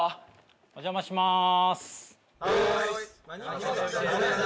お邪魔します。